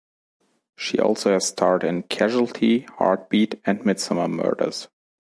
She has also starred in "Casualty", "Heartbeat" and "Midsomer Murders".